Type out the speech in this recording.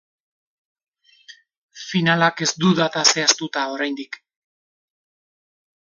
Finalak ez du data zehaztuta oraindik.